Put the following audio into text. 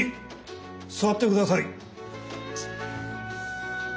座ってください。